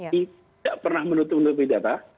tidak pernah menutup menutupi data